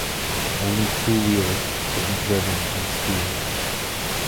Only two wheels could be driven and steered.